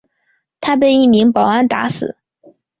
他被一名保安打死。